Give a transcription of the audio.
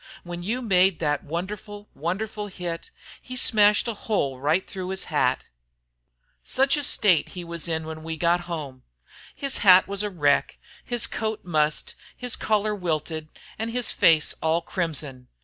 When you made that wonderful, wonderful hit he smashed a hole right through his hat." "Such a state as he was in when we got home! His hat was a wreck, his coat mussed, his collar wilted, and his face all crimson.